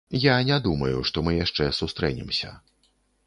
Я не думаю, што мы яшчэ сустрэнемся.